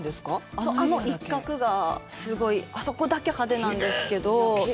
あの一角が、すごい、あそこだけ派手なんですけど。